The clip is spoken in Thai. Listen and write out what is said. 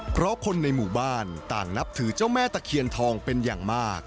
เพราะคนในหมู่บ้านต่างนับถือเจ้าแม่ตะเคียนทองเป็นอย่างมาก